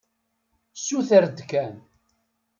Suter-d kan.